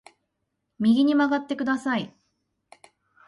右に曲がってください